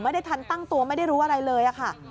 ไม่ทันตั้งตัวไม่ได้รู้อะไรเลยค่ะ